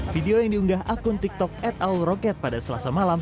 video yang diunggah akun tiktok et al roket pada selasa malam